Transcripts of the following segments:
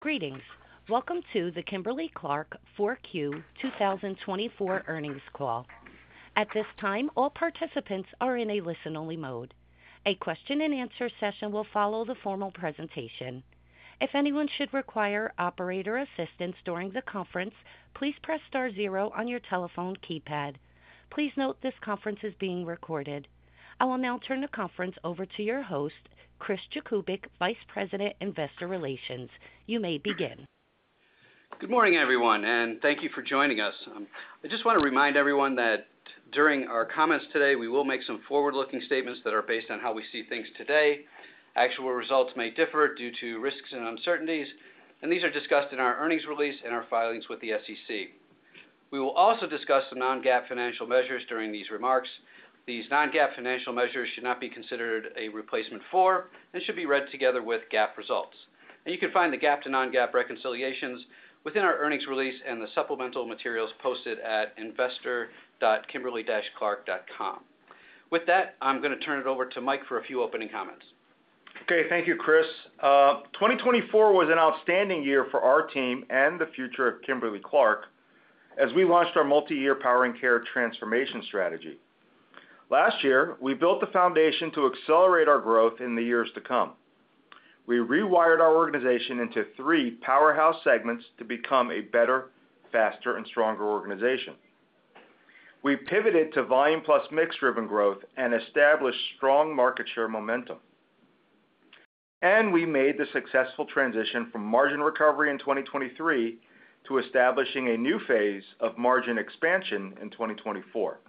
Greetings. Welcome to the Kimberly-Clark 4Q 2024 earnings call. At this time, all participants are in a listen-only mode. A question-and-answer session will follow the formal presentation. If anyone should require operator assistance during the conference, please press star zero on your telephone keypad. Please note this conference is being recorded. I will now turn the conference over to your host, Chris Jakubik, Vice President, Investor Relations. You may begin. Good morning, everyone, and thank you for joining us. I just want to remind everyone that during our comments today, we will make some forward-looking statements that are based on how we see things today. Actual results may differ due to risks and uncertainties, and these are discussed in our earnings release and our filings with the SEC. We will also discuss the non-GAAP financial measures during these remarks. These non-GAAP financial measures should not be considered a replacement for and should be read together with GAAP results, and you can find the GAAP to non-GAAP reconciliations within our earnings release and the supplemental materials posted at investor.kimberly-clark.com. With that, I'm going to turn it over to Mike for a few opening comments. Okay. Thank you, Chris. 2024 was an outstanding year for our team and the future of Kimberly-Clark as we launched our multi-year Powering Care transformation strategy. Last year, we built the foundation to accelerate our growth in the years to come. We rewired our organization into three powerhouse segments to become a better, faster, and stronger organization. We pivoted to volume plus mix driven growth and established strong market share momentum. And we made the successful transition from margin recovery in 2023 to establishing a new phase of margin expansion in 2024.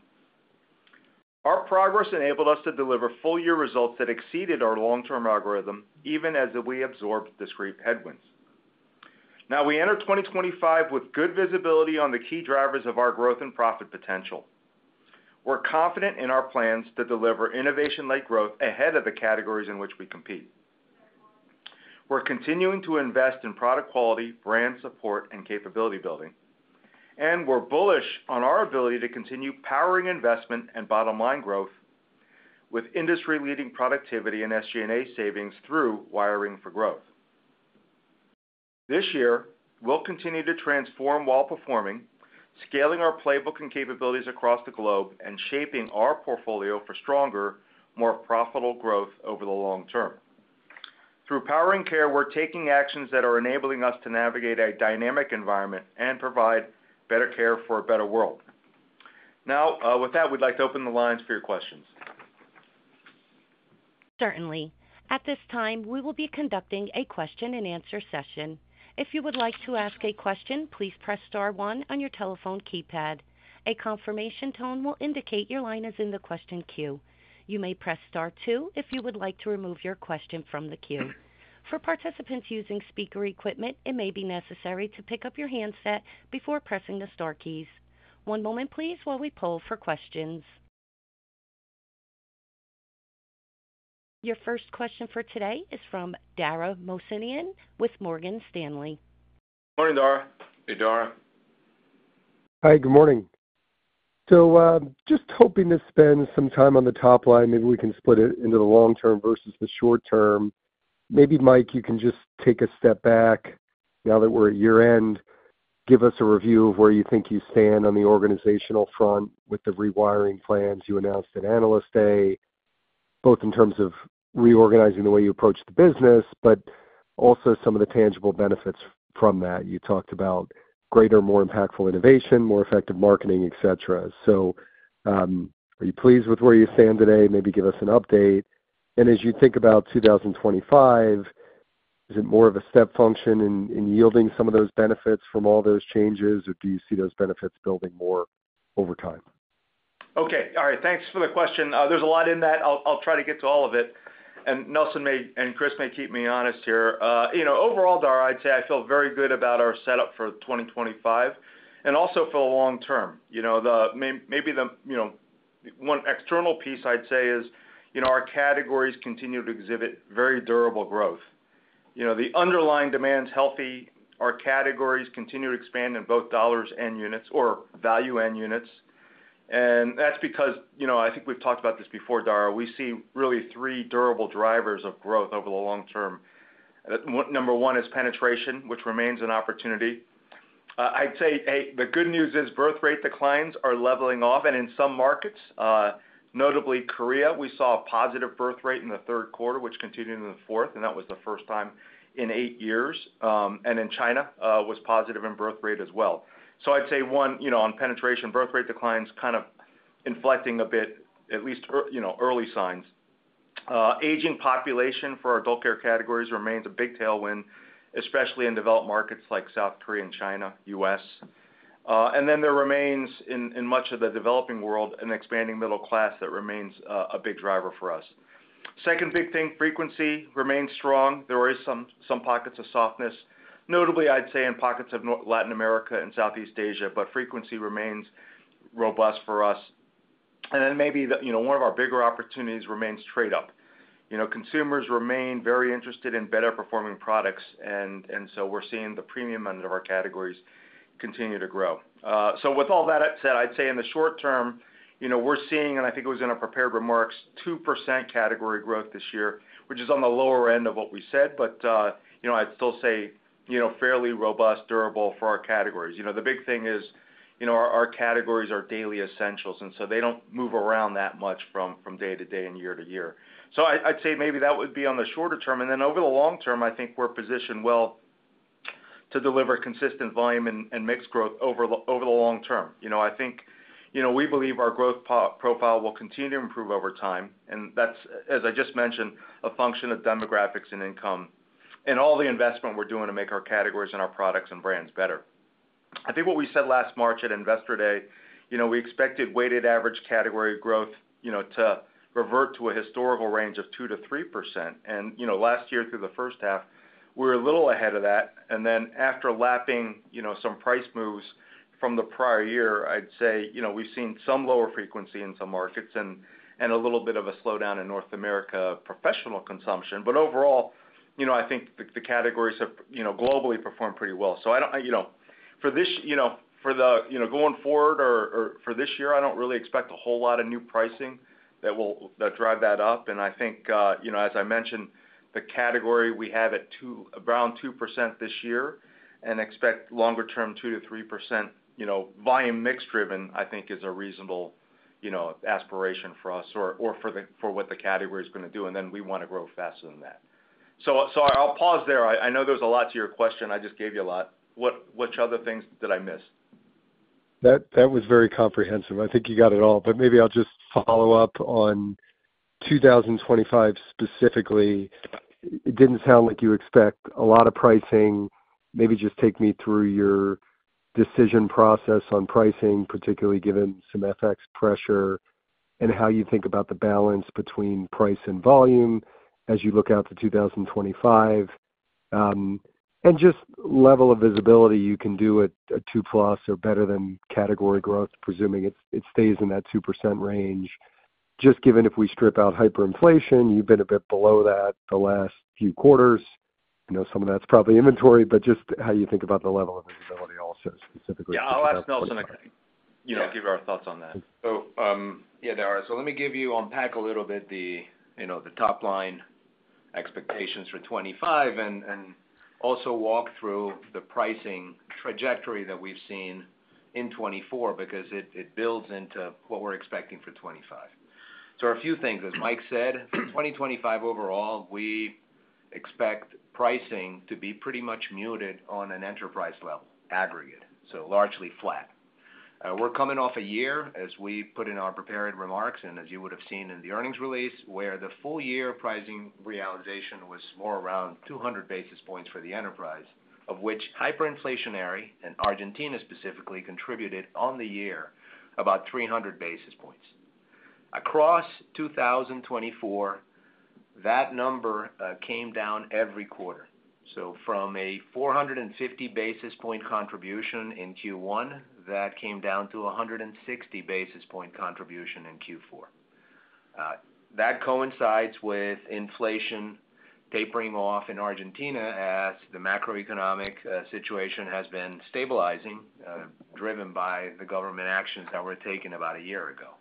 Our progress enabled us to deliver full-year results that exceeded our long-term algorithm, even as we absorbed discrete headwinds. Now, we enter 2025 with good visibility on the key drivers of our growth and profit potential. We're confident in our plans to deliver innovation-led growth ahead of the categories in which we compete. We're continuing to invest in product quality, brand support, and capability building. And we're bullish on our ability to continue powering investment and bottom-line growth with industry-leading productivity and SG&A savings through Wiring for Growth. This year, we'll continue to transform while performing, scaling our playbook and capabilities across the globe and shaping our portfolio for stronger, more profitable growth over the long term. Through Powering Care, we're taking actions that are enabling us to navigate a dynamic environment and provide better care for a better world. Now, with that, we'd like to open the lines for your questions. Certainly. At this time, we will be conducting a question-and-answer session. If you would like to ask a question, please press star one on your telephone keypad. A confirmation tone will indicate your line is in the question queue. You may press star two if you would like to remove your question from the queue. For participants using speaker equipment, it may be necessary to pick up your handset before pressing the star keys. One moment, please, while we poll for questions. Your first question for today is from Dara Mohsenian with Morgan Stanley. Morning, Dara. Hey, Dara. Hi, good morning, so just hoping to spend some time on the top line. Maybe we can split it into the long-term versus the short-term. Maybe, Mike, you can just take a step back now that we're at year-end, give us a review of where you think you stand on the organizational front with the rewiring plans you announced at Analyst Day, both in terms of reorganizing the way you approach the business, but also some of the tangible benefits from that. You talked about greater, more impactful innovation, more effective marketing, etc., so are you pleased with where you stand today? Maybe give us an update and as you think about 2025, is it more of a step function in yielding some of those benefits from all those changes, or do you see those benefits building more over time? Okay. All right. Thanks for the question. There's a lot in that. I'll try to get to all of it, and Nelson and Chris may keep me honest here. Overall, Dara, I'd say I feel very good about our setup for 2025 and also for the long term. Maybe the one external piece I'd say is our categories continue to exhibit very durable growth. The underlying demand's healthy. Our categories continue to expand in both dollars and units or value and units, and that's because I think we've talked about this before, Dara. We see really three durable drivers of growth over the long term. Number one is penetration, which remains an opportunity. I'd say the good news is birth rate declines are leveling off, and in some markets, notably Korea, we saw a positive birth rate in the third quarter, which continued in the fourth. That was the first time in eight years. In China, it was positive in birth rate as well. I'd say one, on penetration, birth rate declines kind of inflecting a bit, at least early signs. Aging population for our adult care categories remains a big tailwind, especially in developed markets like South Korea and China, U.S. Then there remains, in much of the developing world and expanding middle class, that remains a big driver for us. Second big thing, frequency remains strong. There are some pockets of softness, notably, I'd say, in pockets of Latin America and Southeast Asia, but frequency remains robust for us. Then maybe one of our bigger opportunities remains trade-up. Consumers remain very interested in better-performing products. We're seeing the premium end of our categories continue to grow. So with all that said, I'd say in the short term, we're seeing, and I think it was in our prepared remarks, 2% category growth this year, which is on the lower end of what we said, but I'd still say fairly robust, durable for our categories. The big thing is our categories are daily essentials, and so they don't move around that much from day to day and year to year. So I'd say maybe that would be on the shorter term. And then over the long term, I think we're positioned well to deliver consistent volume and mix growth over the long term. I think we believe our growth profile will continue to improve over time. And that's, as I just mentioned, a function of demographics and income and all the investment we're doing to make our categories and our products and brands better. I think what we said last March at Investor Day, we expected weighted average category growth to revert to a historical range of 2%-3%. And last year, through the first half, we were a little ahead of that, and then after lapping some price moves from the prior year, I'd say we've seen some lower frequency in some markets and a little bit of a slowdown in North America Professional consumption. But overall, I think the categories have globally performed pretty well, so for the going forward or for this year, I don't really expect a whole lot of new pricing that will drive that up. And I think, as I mentioned, the category we have at around 2% this year and expect longer-term 2-3% volume mix driven, I think, is a reasonable aspiration for us or for what the category is going to do. And then we want to grow faster than that. So I'll pause there. I know there was a lot to your question. I just gave you a lot. Which other things did I miss? That was very comprehensive. I think you got it all, but maybe I'll just follow up on 2025 specifically. It didn't sound like you expect a lot of pricing. Maybe just take me through your decision process on pricing, particularly given some FX pressure and how you think about the balance between price and volume as you look out to 2025, and just level of visibility you can do at a 2 plus or better than category growth, presuming it stays in that 2% range. Just given if we strip out hyperinflation, you've been a bit below that the last few quarters. Some of that's probably inventory, but just how you think about the level of visibility also specifically. Yeah. I'll ask Nelson to give you our thoughts on that. So yeah, Dara. So let me give you unpack a little bit the top line expectations for 2025 and also walk through the pricing trajectory that we've seen in 2024 because it builds into what we're expecting for 2025. So there are a few things. As Mike said, 2025 overall, we expect pricing to be pretty much muted on an enterprise level aggregate, so largely flat. We're coming off a year, as we put in our prepared remarks and as you would have seen in the earnings release, where the full-year pricing realization was more around 200 basis points for the enterprise, of which hyperinflationary and Argentina specifically contributed on the year about 300 basis points. Across 2024, that number came down every quarter. So from a 450 basis points contribution in Q1, that came down to 160 basis points contribution in Q4. That coincides with inflation tapering off in Argentina as the macroeconomic situation has been stabilizing, driven by the government actions that were taken about a year ago.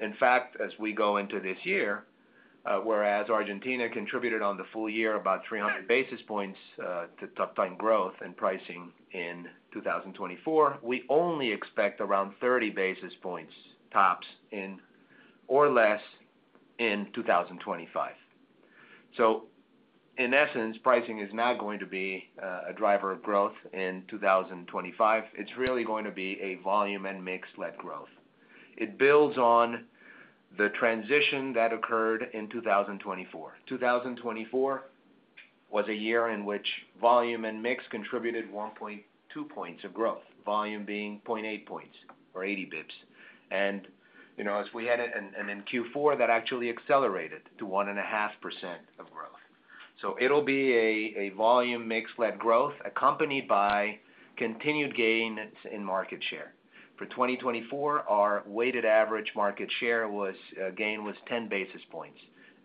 In fact, as we go into this year, whereas Argentina contributed for the full year about 300 basis points to organic growth and pricing in 2024, we only expect around 30 basis points tops, or less in 2025. So in essence, pricing is not going to be a driver of growth in 2025. It's really going to be a volume and mix-led growth. It builds on the transition that occurred in 2024. 2024 was a year in which volume and mix contributed 1.2 points of growth, volume being 0.8 points or 80 basis points. And as we had hoped, in Q4, that actually accelerated to 1.5 points of growth. It'll be a volume mix-led growth accompanied by continued gains in market share. For 2024, our weighted average market share gain was 10 basis points.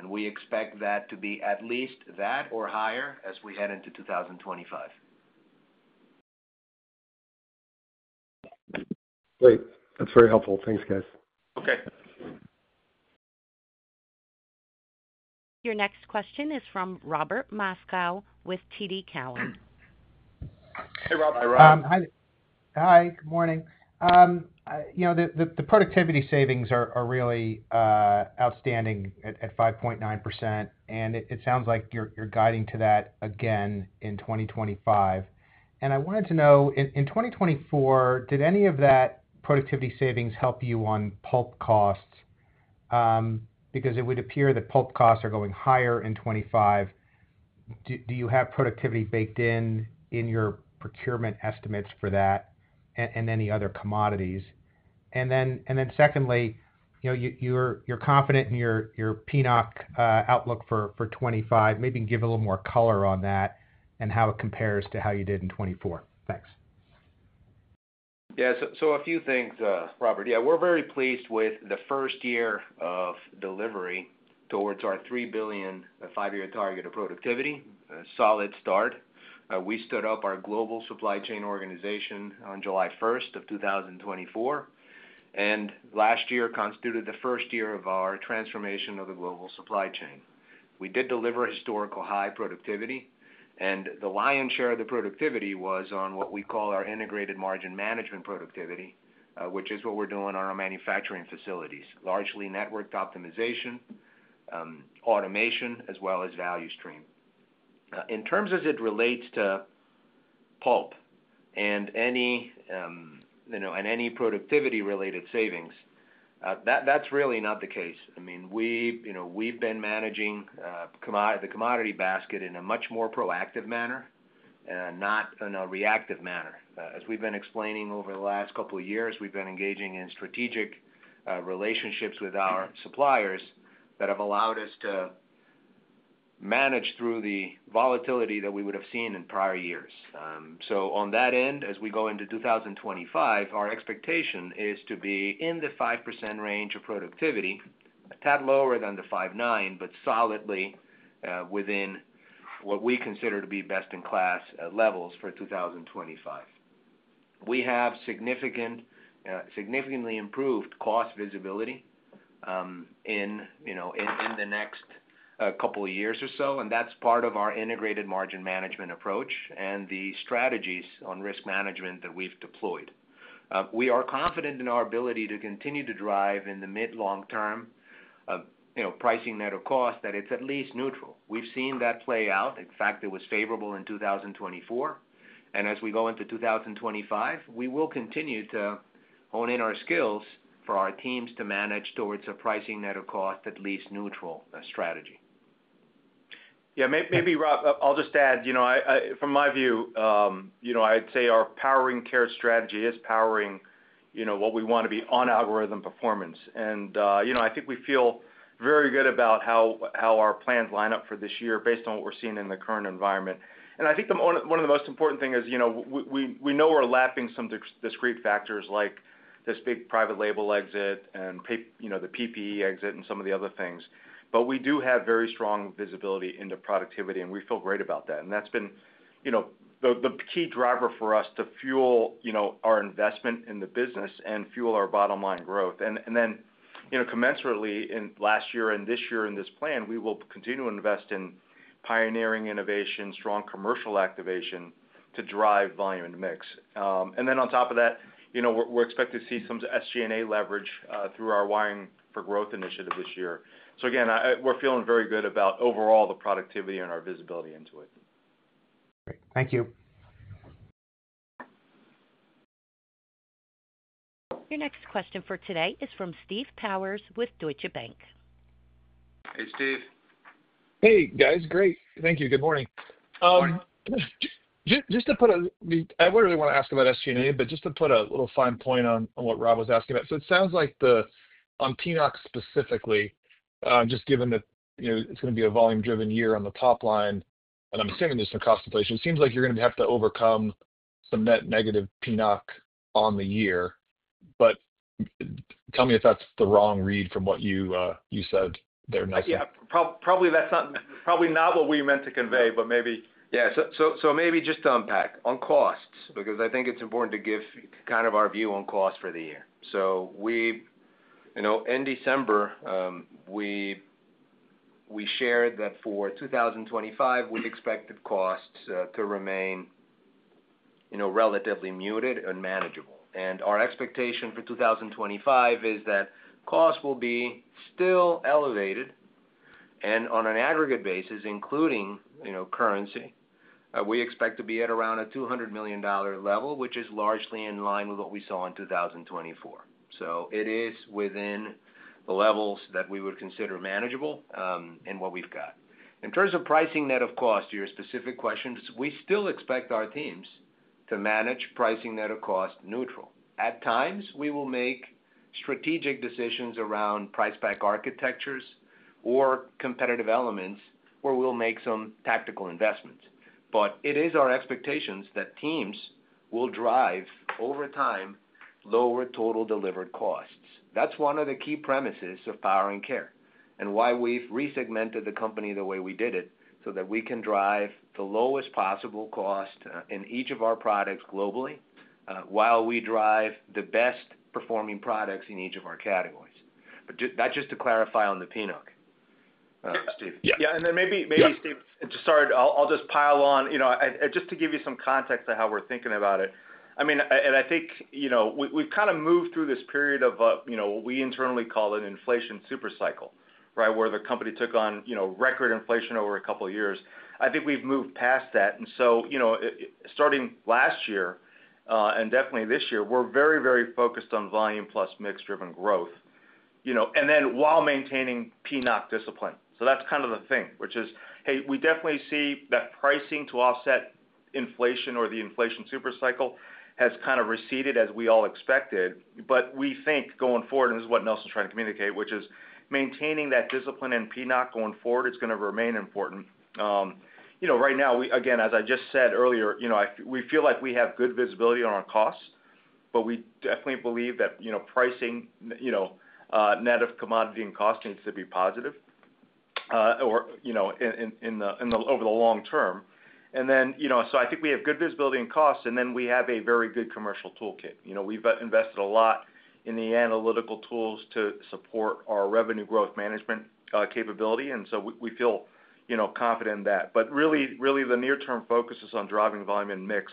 We expect that to be at least that or higher as we head into 2025. Great. That's very helpful. Thanks, guys. Okay. Your next question is from Robert Moskow with TD Cowen. Hey, Robert. Hi, Rob. Hi. Hi. Good morning. The productivity savings are really outstanding at 5.9%. And it sounds like you're guiding to that again in 2025. And I wanted to know, in 2024, did any of that productivity savings help you on pulp costs? Because it would appear that pulp costs are going higher in 2025. Do you have productivity baked in your procurement estimates for that and any other commodities? And then secondly, you're confident in your PNOC outlook for 2025? Maybe give a little more color on that and how it compares to how you did in 2024. Thanks. Yeah. So a few things, Robert. Yeah, we're very pleased with the first year of delivery towards our $3 billion five-year target of productivity. Solid start. We stood up our Global Supply Chain organization on July 1st of 2024, and last year constituted the first year of our transformation of the global supply chain. We did deliver historical high productivity. And the lion's share of the productivity was on what we call our Integrated Margin Management productivity, which is what we're doing on our manufacturing facilities, largely network optimization, automation, as well as value stream. In terms as it relates to pulp and any productivity-related savings, that's really not the case. I mean, we've been managing the commodity basket in a much more proactive manner, not in a reactive manner. As we've been explaining over the last couple of years, we've been engaging in strategic relationships with our suppliers that have allowed us to manage through the volatility that we would have seen in prior years. So on that end, as we go into 2025, our expectation is to be in the 5% range of productivity, a tad lower than the 5.9, but solidly within what we consider to be best-in-class levels for 2025. We have significantly improved cost visibility in the next couple of years or so, and that's part of our Integrated Margin Management approach and the strategies on risk management that we've deployed. We are confident in our ability to continue to drive in the mid-long term pricing net of cost that it's at least neutral. We've seen that play out. In fact, it was favorable in 2024. As we go into 2025, we will continue to hone in our skills for our teams to manage towards a pricing net of cost at least neutral strategy. Yeah. Maybe, Rob, I'll just add, from my view, I'd say our Powering Care strategy is powering what we want to be on algorithm performance. I think we feel very good about how our plans line up for this year based on what we're seeing in the current environment. I think one of the most important things is we know we're lapping some discrete factors like this big private label exit and the PPE exit and some of the other things. But we do have very strong visibility into productivity, and we feel great about that. That's been the key driver for us to fuel our investment in the business and fuel our bottom line growth. Then commensurately in last year and this year in this plan, we will continue to invest in pioneering innovation, strong commercial activation to drive volume and mix. And then on top of that, we're expected to see some SG&A leverage through our Wiring for Growth initiative this year. So again, we're feeling very good about overall the productivity and our visibility into it. Great. Thank you. Your next question for today is from Steve Powers with Deutsche Bank. Hey, Steve. Hey, guys. Great. Thank you. Good morning. Good morning. I wouldn't really want to ask about SG&A, but just to put a little fine point on what Rob was asking about. It sounds like on PNOC specifically, just given that it's going to be a volume-driven year on the top line, and I'm assuming there's some cost inflation, it seems like you're going to have to overcome some net negative PNOC on the year. But tell me if that's the wrong read from what you said there, Nelson. Yeah. Probably not what we meant to convey, but maybe, yeah. So maybe just to unpack on costs, because I think it's important to give kind of our view on cost for the year. So in December, we shared that for 2025, we expected costs to remain relatively muted and manageable. And our expectation for 2025 is that costs will be still elevated. And on an aggregate basis, including currency, we expect to be at around a $200 million level, which is largely in line with what we saw in 2024. So it is within the levels that we would consider manageable in what we've got. In terms of pricing net of cost, to your specific questions, we still expect our teams to manage pricing net of cost neutral. At times, we will make strategic decisions around price-pack architectures or competitive elements where we'll make some tactical investments. But it is our expectation that teams will drive over time lower total delivered costs. That's one of the key premises of Powering Care and why we've resegmented the company the way we did it so that we can drive the lowest possible cost in each of our products globally while we drive the best-performing products in each of our categories. But that's just to clarify on the PNOC, Steve. Yeah. And then maybe, Steve, to start, I'll just pile on just to give you some context on how we're thinking about it. I mean, and I think we've kind of moved through this period of what we internally call an inflation supercycle, right, where the company took on record inflation over a couple of years. I think we've moved past that. Starting last year and definitely this year, we're very, very focused on volume plus mix-driven growth and then while maintaining PNOC discipline. So that's kind of the thing, which is, hey, we definitely see that pricing to offset inflation or the inflation supercycle has kind of receded, as we all expected. But we think going forward, and this is what Nelson's trying to communicate, which is maintaining that discipline in PNOC going forward is going to remain important. Right now, again, as I just said earlier, we feel like we have good visibility on our costs, but we definitely believe that pricing net of commodity and cost needs to be positive over the long term. And then so I think we have good visibility in costs, and then we have a very good commercial toolkit. We've invested a lot in the analytical tools to support our revenue growth management capability. And so we feel confident in that. But really, the near-term focus is on driving volume and mix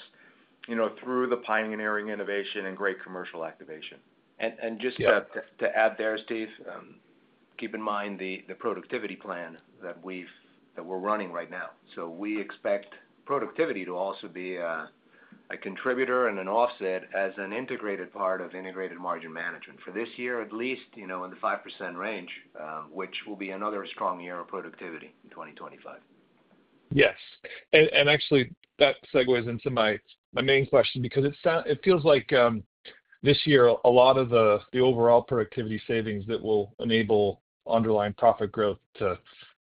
through the pioneering innovation and great commercial activation. Just to add there, Steve, keep in mind the productivity plan that we're running right now. We expect productivity to also be a contributor and an offset as an integrated part of Integrated Margin Management for this year, at least in the 5% range, which will be another strong year of productivity in 2025. Yes. And actually, that segues into my main question because it feels like this year, a lot of the overall productivity savings that will enable underlying profit growth to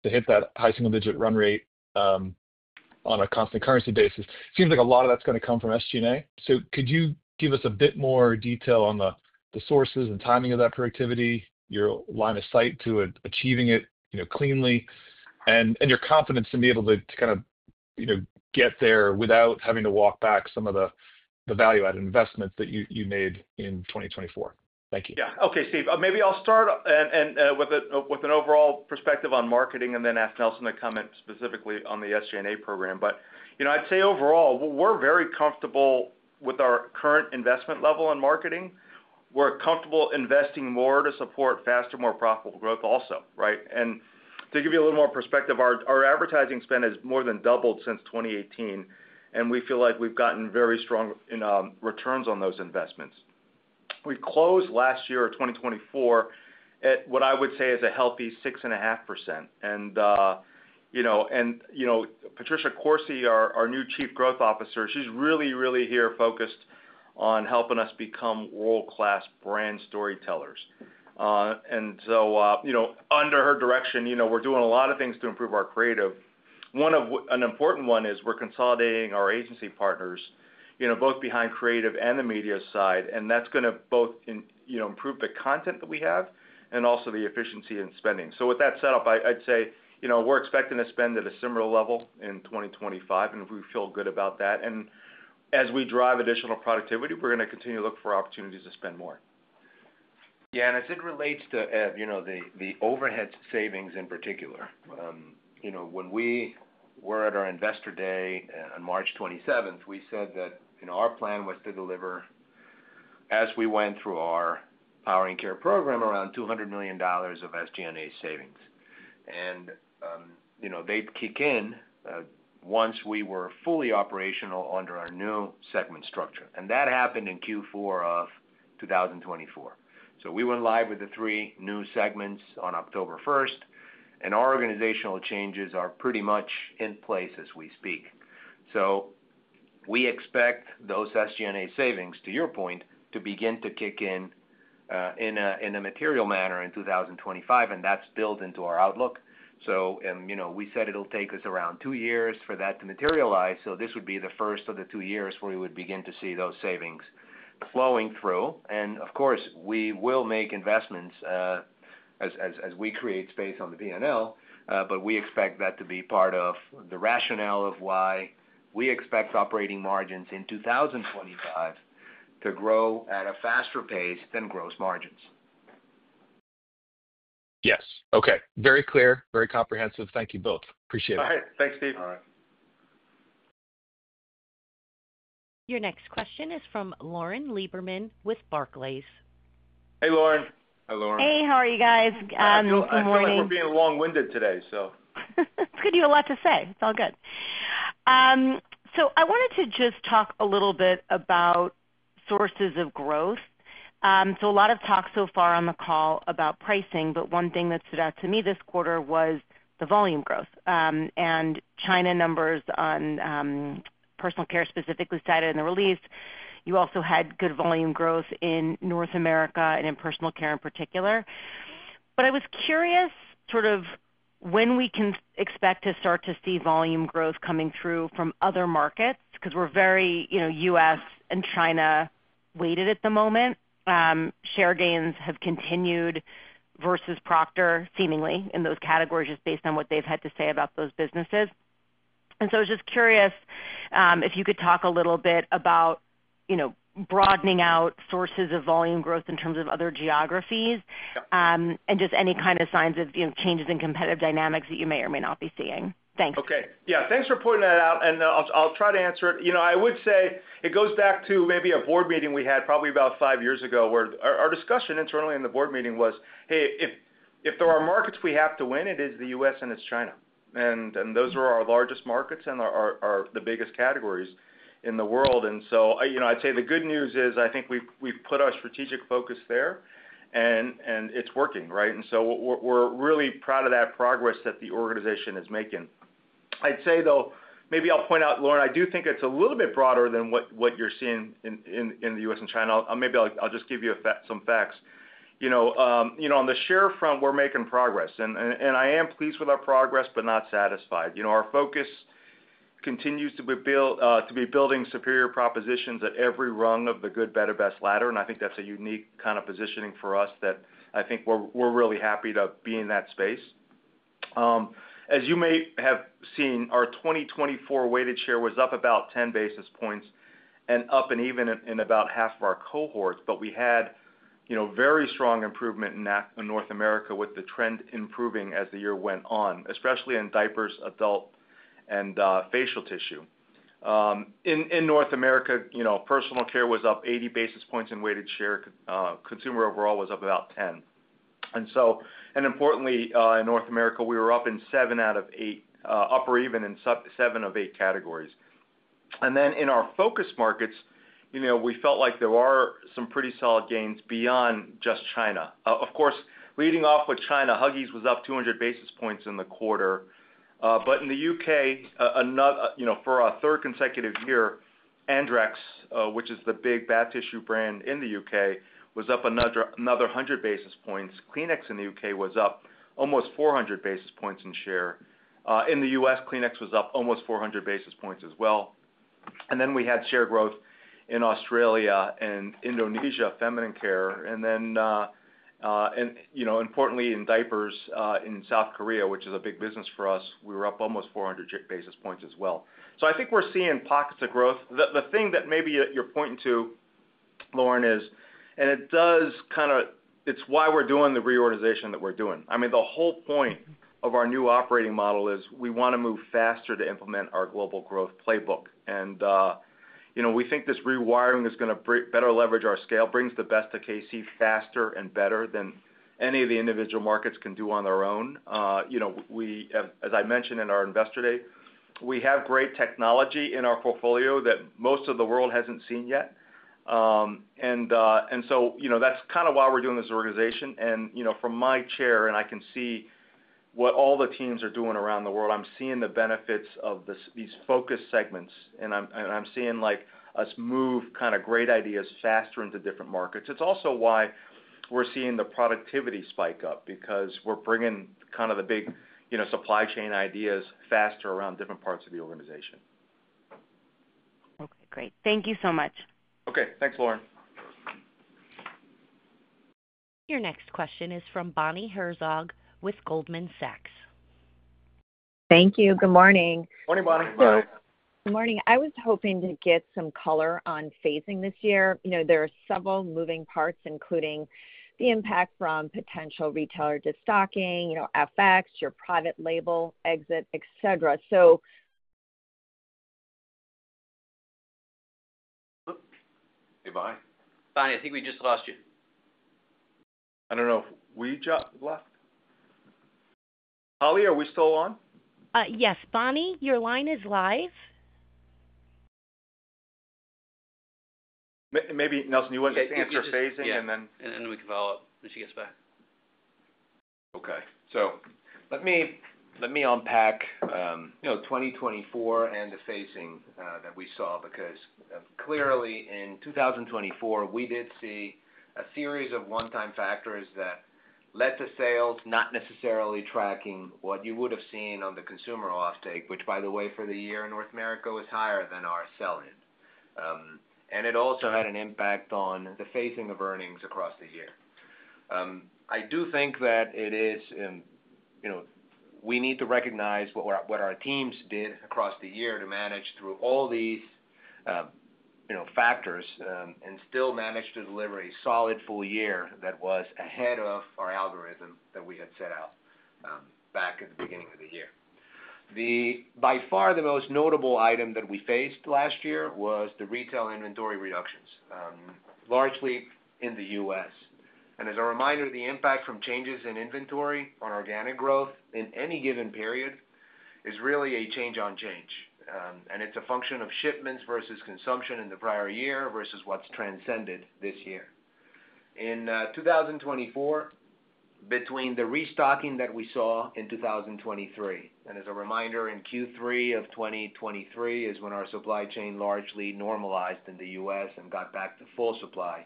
hit that high single-digit run rate on a constant currency basis, it seems like a lot of that's going to come from SG&A. So could you give us a bit more detail on the sources and timing of that productivity, your line of sight to achieving it cleanly, and your confidence in being able to kind of get there without having to walk back some of the value-added investments that you made in 2024? Thank you. Yeah. Okay, Steve. Maybe I'll start with an overall perspective on marketing and then ask Nelson to comment specifically on the SG&A program, but I'd say overall, we're very comfortable with our current investment level in marketing. We're comfortable investing more to support faster, more profitable growth also, right, and to give you a little more perspective, our advertising spend has more than doubled since 2018, and we feel like we've gotten very strong returns on those investments. We closed last year, 2024, at what I would say is a healthy 6.5%. And Patricia Corsi, our new Chief Growth Officer, she's really, really focused here on helping us become world-class brand storytellers, and so under her direction, we're doing a lot of things to improve our creative. One important one is we're consolidating our agency partners both behind creative and the media side. And that's going to both improve the content that we have and also the efficiency in spending. So with that setup, I'd say we're expecting to spend at a similar level in 2025, and we feel good about that. And as we drive additional productivity, we're going to continue to look for opportunities to spend more. Yeah. And as it relates to the overhead savings in particular, when we were at our Investor Day on March 27th, we said that our plan was to deliver, as we went through our Powering Care program, around $200 million of SG&A savings. And they kick in once we were fully operational under our new segment structure. And that happened in Q4 of 2024. So we went live with the three new segments on October 1st. And our organizational changes are pretty much in place as we speak. So we expect those SG&A savings, to your point, to begin to kick in in a material manner in 2025. And that's built into our outlook. So we said it'll take us around two years for that to materialize. So this would be the first of the two years where we would begin to see those savings flowing through. Of course, we will make investments as we create space on the P&L, but we expect that to be part of the rationale of why we expect operating margins in 2025 to grow at a faster pace than gross margins. Yes. Okay. Very clear, very comprehensive. Thank you both. Appreciate it. All right. Thanks, Steve. All right. Your next question is from Lauren Lieberman with Barclays. Hey, Lauren. Hey, Lauren. Hey. How are you guys? Good morning. Good morning. I'm sorry for being long-winded today, so. It's good. You have a lot to say. It's all good. So I wanted to just talk a little bit about sources of growth. So a lot of talk so far on the call about pricing, but one thing that stood out to me this quarter was the volume growth and China numbers on Personal Care specifically cited in the release. You also had good volume growth in North America and in Personal Care in particular. But I was curious sort of when we can expect to start to see volume growth coming through from other markets because we're very U.S. and China weighted at the moment. Share gains have continued versus Procter seemingly in those categories just based on what they've had to say about those businesses. I was just curious if you could talk a little bit about broadening out sources of volume growth in terms of other geographies and just any kind of signs of changes in competitive dynamics that you may or may not be seeing. Thanks. Okay. Yeah. Thanks for pointing that out. And I'll try to answer it. I would say it goes back to maybe a board meeting we had probably about five years ago where our discussion internally in the board meeting was, "Hey, if there are markets we have to win, it is the US and it's China." And those are our largest markets and are the biggest categories in the world. And so I'd say the good news is I think we've put our strategic focus there, and it's working, right? And so we're really proud of that progress that the organization is making. I'd say, though, maybe I'll point out, Lauren, I do think it's a little bit broader than what you're seeing in the US and China. Maybe I'll just give you some facts. On the share front, we're making progress. I am pleased with our progress but not satisfied. Our focus continues to be building superior propositions at every rung of the good, better, best ladder. I think that's a unique kind of positioning for us that I think we're really happy to be in that space. As you may have seen, our 2024 weighted share was up about 10 basis points and up and even in about half of our cohorts. We had very strong improvement in North America with the trend improving as the year went on, especially in diapers, adult, and facial tissue. In North America, Personal Care was up 80 basis points in weighted share. Consumer overall was up about 10. Importantly, in North America, we were up in seven out of eight, up or even in seven of eight categories. And then in our focus markets, we felt like there were some pretty solid gains beyond just China. Of course, leading off with China, Huggies was up 200 basis points in the quarter. But in the U.K., for our third consecutive year, Andrex, which is the big bath tissue brand in the U.K., was up another 100 basis points. Kleenex in the U.K. was up almost 400 basis points in share. In the U.S., Kleenex was up almost 400 basis points as well. And then we had share growth in Australia and Indonesia, feminine care. And then, importantly, in diapers in South Korea, which is a big business for us, we were up almost 400 basis points as well. So I think we're seeing pockets of growth. The thing that maybe you're pointing to, Lauren, is, and it does kind of, it's why we're doing the reorganization that we're doing. I mean, the whole point of our new operating model is we want to move faster to implement our global growth playbook, and we think this rewiring is going to better leverage our scale, brings the best to KC faster and better than any of the individual markets can do on their own. As I mentioned in our Investor Day, we have great technology in our portfolio that most of the world hasn't seen yet, and so that's kind of why we're doing this organization, and from my chair, and I can see what all the teams are doing around the world, I'm seeing the benefits of these focus segments, and I'm seeing us move kind of great ideas faster into different markets. It's also why we're seeing the productivity spike up because we're bringing kind of the big supply chain ideas faster around different parts of the organization. Okay. Great. Thank you so much. Okay. Thanks, Lauren. Your next question is from Bonnie Herzog with Goldman Sachs. Thank you. Good morning. Morning, Bonnie. Hi. Good morning. I was hoping to get some color on phasing this year. There are several moving parts, including the impact from potential retailer destocking, FX, your private label exit, etc. So. Hey, Bonnie. Bonnie, I think we just lost you. I don't know if we left? Holly, are we still on? Yes. Bonnie, your line is live. Maybe, Nelson, you want to answer phasing and then. And then we can follow up when she gets back. Okay. So let me unpack 2024 and the phasing that we saw because clearly in 2024, we did see a series of one-time factors that led to sales not necessarily tracking what you would have seen on the consumer offtake, which, by the way, for the year in North America was higher than our sell-in. And it also had an impact on the phasing of earnings across the year. I do think that it is we need to recognize what our teams did across the year to manage through all these factors and still manage to deliver a solid full year that was ahead of our algorithm that we had set out back at the beginning of the year. By far, the most notable item that we faced last year was the retail inventory reductions, largely in the U.S. As a reminder, the impact from changes in inventory on organic growth in any given period is really a change on change. It's a function of shipments versus consumption in the prior year versus what's transpired this year. In 2024, between the restocking that we saw in 2023, and as a reminder, in Q3 of 2023 is when our supply chain largely normalized in the US and got back to full supply.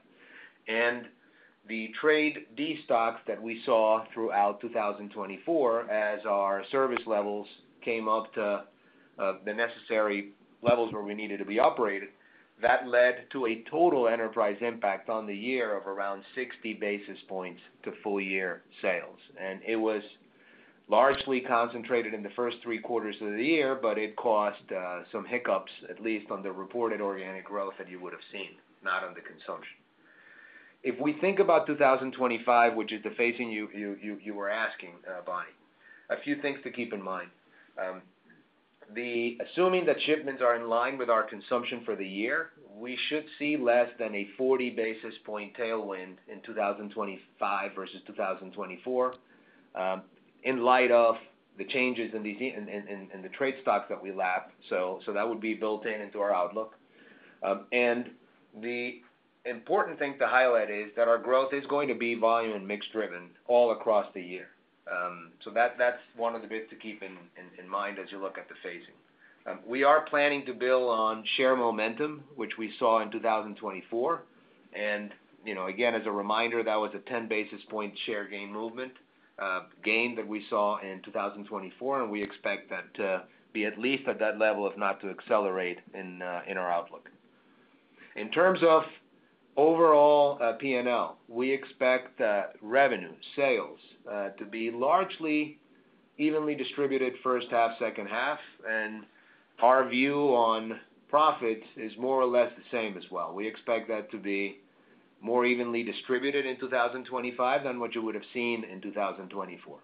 The trade destock that we saw throughout 2024 as our service levels came up to the necessary levels where we needed to be operated, that led to a total enterprise impact on the year of around 60 basis points to full-year sales. And it was largely concentrated in the first three quarters of the year, but it caused some hiccups, at least on the reported organic growth that you would have seen, not on the consumption. If we think about 2025, which is the phasing you were asking, Bonnie, a few things to keep in mind. Assuming that shipments are in line with our consumption for the year, we should see less than a 40 basis point tailwind in 2025 versus 2024 in light of the changes in the trade stocks that we lapped. So that would be built into our outlook. And the important thing to highlight is that our growth is going to be volume and mix-driven all across the year. So that's one of the bits to keep in mind as you look at the phasing. We are planning to build on share momentum, which we saw in 2024. Again, as a reminder, that was a 10 basis point share gain that we saw in 2024. We expect that to be at least at that level if not to accelerate in our outlook. In terms of overall P&L, we expect revenue sales to be largely evenly distributed, first half, second half. Our view on profits is more or less the same as well. We expect that to be more evenly distributed in 2025 than what you would have seen in 2024.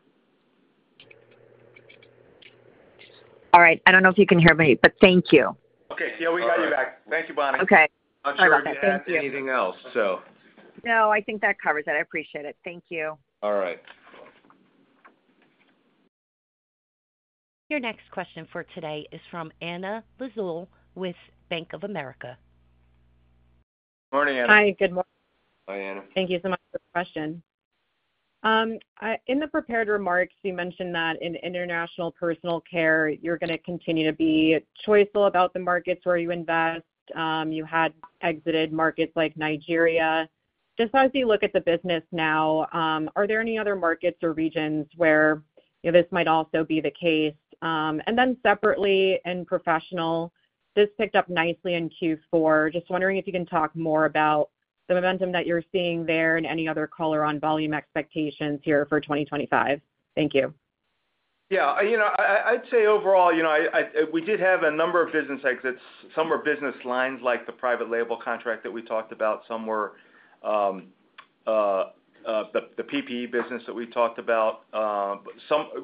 All right. I don't know if you can hear me, but thank you. Okay. Yeah, we got you back. Thank you, Bonnie. Okay. All right. Thank you. I'm not sure if we can add anything else, so. No, I think that covers it. I appreciate it. Thank you. All right. Your next question for today is from Anna Lizzul with Bank of America. Good morning, Anna. Hi. Good morning. Hi, Anna. Thank you so much for the question. In the prepared remarks, you mentioned that International Personal Care, you're going to continue to be choiceful about the markets where you invest. You had exited markets like Nigeria. Just as you look at the business now, are there any other markets or regions where this might also be the case? And then separately, in Professional, this picked up nicely in Q4. Just wondering if you can talk more about the momentum that you're seeing there and any other color on volume expectations here for 2025. Thank you. Yeah. I'd say overall, we did have a number of business exits. Some were business lines like the private label contract that we talked about. Some were the PPE business that we talked about.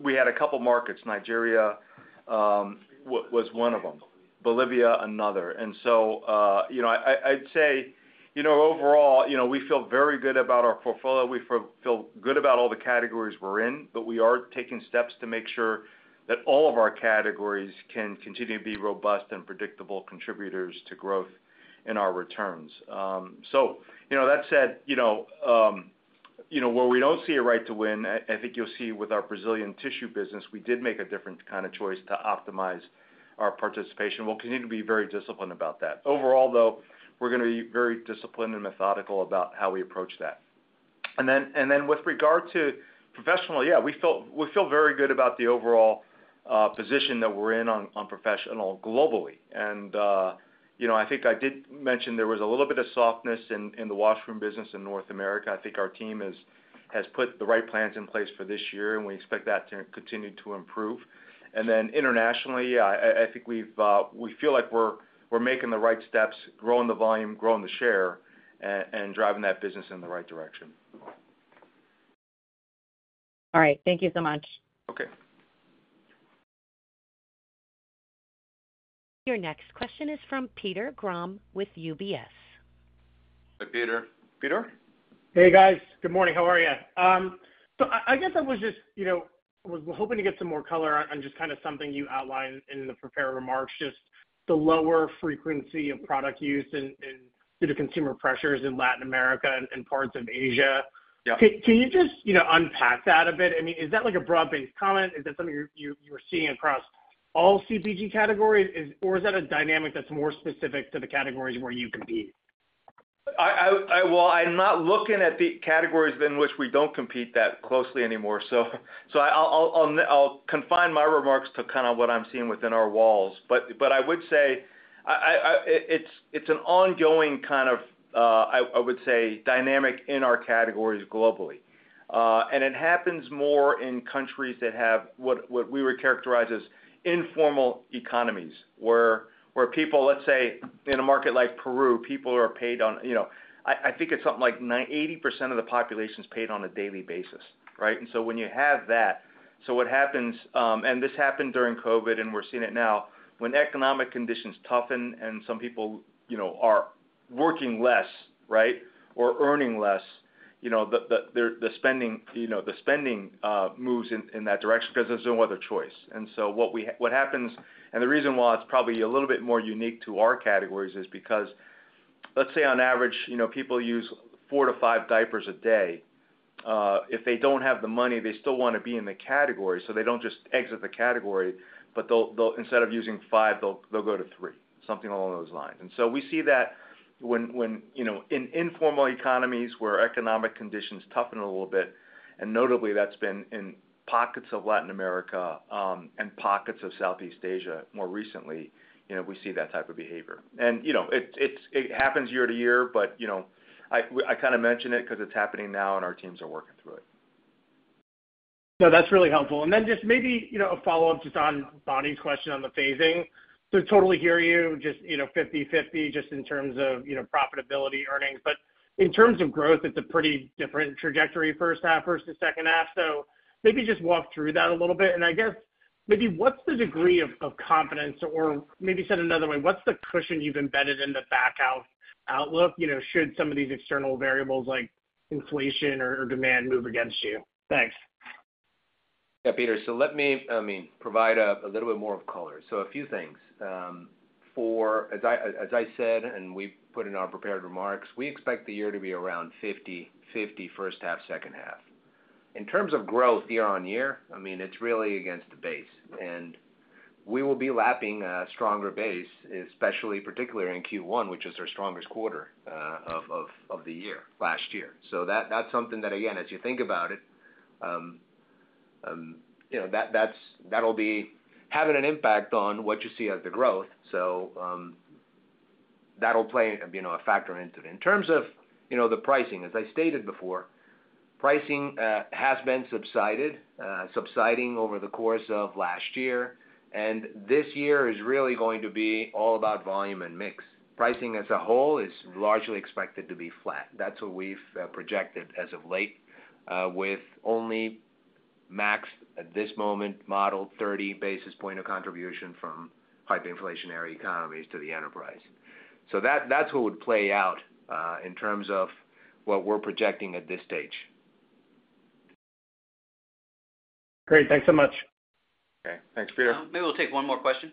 We had a couple of markets. Nigeria was one of them. Bolivia, another. And so I'd say overall, we feel very good about our portfolio. We feel good about all the categories we're in, but we are taking steps to make sure that all of our categories can continue to be robust and predictable contributors to growth in our returns. So that said, where we don't see a right to win, I think you'll see with our Brazilian tissue business, we did make a different kind of choice to optimize our participation. We'll continue to be very disciplined about that. Overall, though, we're going to be very disciplined and methodical about how we approach that. And then with regard to Professional, yeah, we feel very good about the overall position that we're in on Professional globally. And I think I did mention there was a little bit of softness in the washroom business in North America. I think our team has put the right plans in place for this year, and we expect that to continue to improve. And then internationally, I think we feel like we're making the right steps, growing the volume, growing the share, and driving that business in the right direction. All right. Thank you so much. Okay. Your next question is from Peter Grom with UBS. Hi, Peter. Peter. Hey, guys. Good morning. How are you? So I guess I was just hoping to get some more color on just kind of something you outlined in the prepared remarks, just the lower frequency of product use due to consumer pressures in Latin America and parts of Asia. Can you just unpack that a bit? I mean, is that a broad-based comment? Is that something you were seeing across all CBG categories, or is that a dynamic that's more specific to the categories where you compete? Well, I'm not looking at the categories in which we don't compete that closely anymore. So I'll confine my remarks to kind of what I'm seeing within our walls. But I would say it's an ongoing kind of, I would say, dynamic in our categories globally. And it happens more in countries that have what we would characterize as informal economies, where people, let's say, in a market like Peru, people are paid on. I think it's something like 80% of the population is paid on a daily basis, right? And so when you have that, so what happens, and this happened during COVID, and we're seeing it now, when economic conditions toughen and some people are working less, right, or earning less, the spending moves in that direction because there's no other choice. And so what happens, and the reason why it's probably a little bit more unique to our categories is because, let's say, on average, people use four to five diapers a day. If they don't have the money, they still want to be in the category. So they don't just exit the category, but instead of using five, they'll go to three, something along those lines. And so we see that when in informal economies where economic conditions toughen a little bit, and notably, that's been in pockets of Latin America and pockets of Southeast Asia more recently, we see that type of behavior. And it happens year to year, but I kind of mention it because it's happening now, and our teams are working through it. No, that's really helpful. And then just maybe a follow-up just on Bonnie's question on the phasing. So totally hear you, just 50/50, just in terms of profitability, earnings. But in terms of growth, it's a pretty different trajectory first half versus second half. So maybe just walk through that a little bit. I guess maybe what's the degree of confidence, or maybe said another way, what's the cushion you've embedded in the back-half outlook should some of these external variables like inflation or demand move against you? Thanks. Yeah, Peter. Let me, I mean, provide a little bit more of color. A few things. As I said, and we put in our prepared remarks, we expect the year to be around 50/50 first half, second half. In terms of growth year on year, I mean, it's really against the base. We will be lapping a stronger base, especially particularly in Q1, which is our strongest quarter of the year last year. That's something that, again, as you think about it, that'll be having an impact on what you see as the growth. That'll play a factor into it. In terms of the pricing, as I stated before, pricing has been subsiding over the course of last year, and this year is really going to be all about volume and mix. Pricing as a whole is largely expected to be flat. That's what we've projected as of late, with only modest, at this moment, modeled 30 basis points of contribution from hyperinflationary economies to the enterprise, so that's what would play out in terms of what we're projecting at this stage. Great. Thanks so much. Okay. Thanks, Peter. Maybe we'll take one more question.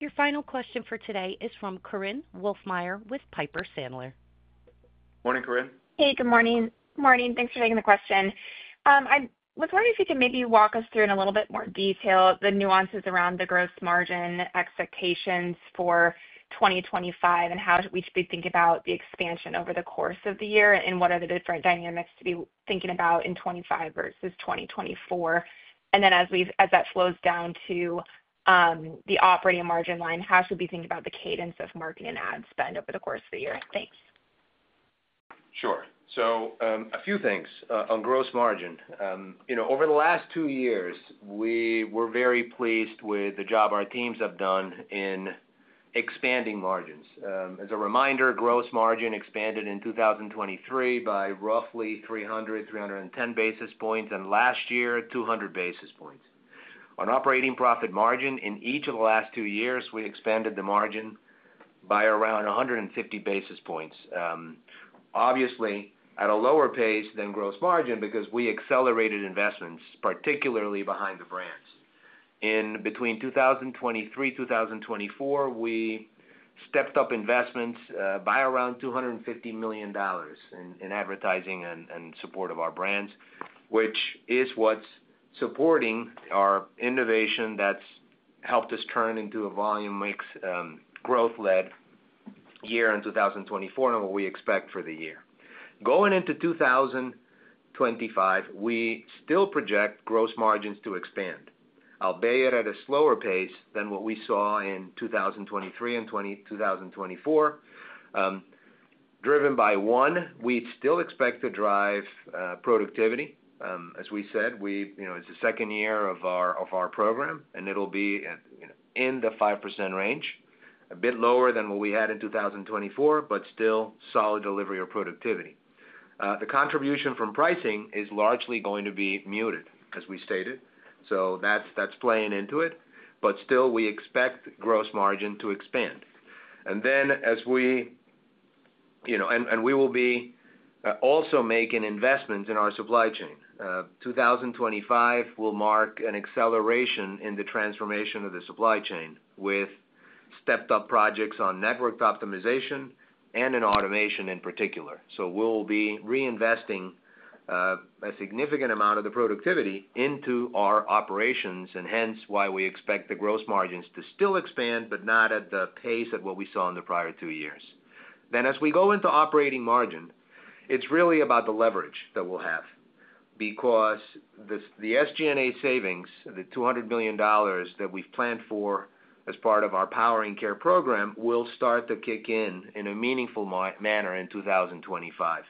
Your final question for today is from Korinne Wolfmeyer with Piper Sandler. Morning, Korinne. Hey, good morning. Morning. Thanks for taking the question. I was wondering if you could maybe walk us through in a little bit more detail the nuances around the gross margin expectations for 2025 and how we should be thinking about the expansion over the course of the year and what are the different dynamics to be thinking about in 2025 versus 2024? And then as that flows down to the operating margin line, how should we be thinking about the cadence of market and ad spend over the course of the year? Thanks. Sure. So a few things on gross margin. Over the last two years, we were very pleased with the job our teams have done in expanding margins. As a reminder, gross margin expanded in 2023 by roughly 300-310 basis points, and last year, 200 basis points. On operating profit margin, in each of the last two years, we expanded the margin by around 150 basis points, obviously at a lower pace than gross margin because we accelerated investments, particularly behind the brands. In between 2023, 2024, we stepped up investments by around $250 million in advertising and support of our brands, which is what's supporting our innovation that's helped us turn into a volume mix growth-led year in 2024 and what we expect for the year. Going into 2025, we still project gross margins to expand, albeit at a slower pace than what we saw in 2023 and 2024. Driven by one, we still expect to drive productivity. As we said, it's the second year of our program, and it'll be in the 5% range, a bit lower than what we had in 2024, but still solid delivery of productivity. The contribution from pricing is largely going to be muted, as we stated. So that's playing into it. We expect gross margin to expand. Then as we will be also making investments in our supply chain, 2025 will mark an acceleration in the transformation of the supply chain with stepped-up projects on network optimization and in automation in particular. So we'll be reinvesting a significant amount of the productivity into our operations, and hence why we expect the gross margins to still expand, but not at the pace of what we saw in the prior two years. Then as we go into operating margin, it's really about the leverage that we'll have because the SG&A savings, the $200 million that we've planned for as part of our Powering Care program, will start to kick in in a meaningful manner in 2025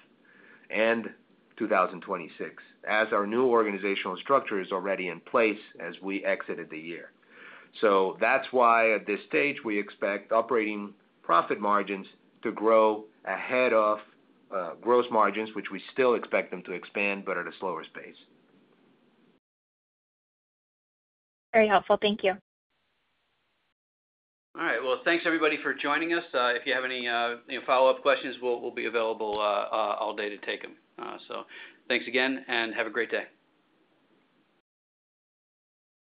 and 2026 as our new organizational structure is already in place as we exited the year. So that's why at this stage, we expect operating profit margins to grow ahead of gross margins, which we still expect them to expand, but at a slower pace. Very helpful. Thank you. All right. Well, thanks, everybody, for joining us. If you have any follow-up questions, we'll be available all day to take them. So thanks again, and have a great day.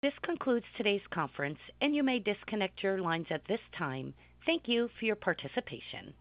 This concludes today's conference, and you may disconnect your lines at this time. Thank you for your participation.